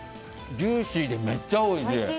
ジューシーでめっちゃおいしい！